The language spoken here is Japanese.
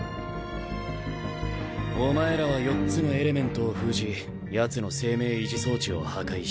お前らは４つのエレメントを封じヤツの生命維持装置を破壊した。